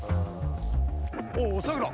おおさくら。